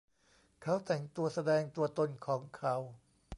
เขาแต่งตัวแสดงตัวตนของเขา